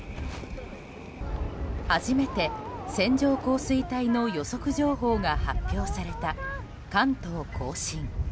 初めて線状降水帯の予測情報が発表された関東・甲信。